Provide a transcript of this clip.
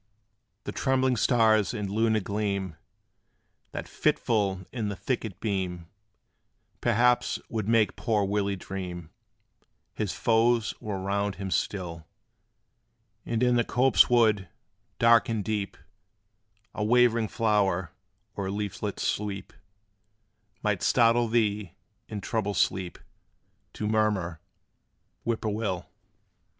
The trembling stars and lunar gleam, That fitful in the thicket beam, Perhaps would make poor Willie dream His foes were round him still. And in the copse wood, dark and deep, A waving flower, or leaflet's sweep Might startle thee, in troubled sleep To murmur, "Whip poor will!"